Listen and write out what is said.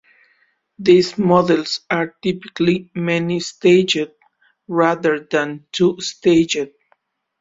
These models are typically many-staged, rather than two-staged.